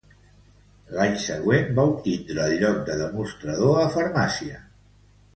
L'any següent, va obtindre el lloc de demostrador a farmàcia.